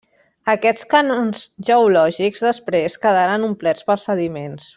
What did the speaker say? Aquests canons geològics després quedaren omplerts pels sediments.